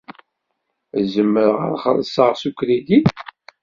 Zemreɣ ad xellṣeɣ s ukridi?